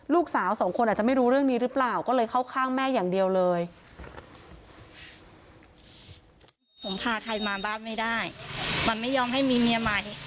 สองคนอาจจะไม่รู้เรื่องนี้หรือเปล่าก็เลยเข้าข้างแม่อย่างเดียวเลย